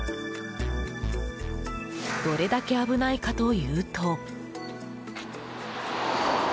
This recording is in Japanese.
どれだけ危ないかというと。